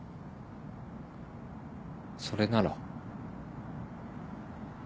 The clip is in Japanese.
それなら。